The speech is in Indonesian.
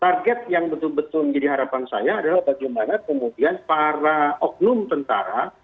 target yang betul betul menjadi harapan saya adalah bagaimana kemudian para oknum tentara